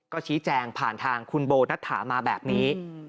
ก็ชี้แจงผ่านทางคุณโบนัฐามาแบบนี้